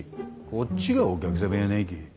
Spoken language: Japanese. こっちがお客様やないけぇ。